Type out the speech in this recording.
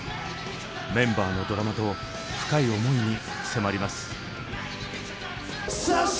メンバーのドラマと深い思いに迫ります。